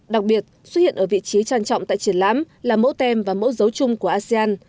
đặc biệt xuất hiện ở vị trí trang trọng tại triển lãm là mẫu tem và mẫu dấu chung của asean